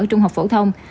trung học phổ thông